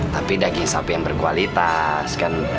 tapi daging sapi yang berkualitas